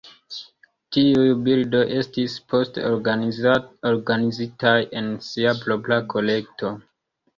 Tiuj bildoj estis poste organizitaj en sia propra kolekto.